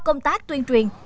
các bệnh viện phát tuyên truyền